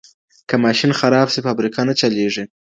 که ماشین خراب سي فابریکه نه چلیږي.